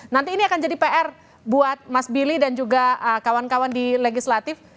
nanti ini akan jadi pr buat mas billy dan juga kawan kawan di legislatif